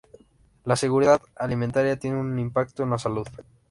La seguridad alimentaria tiene un impacto en la salud.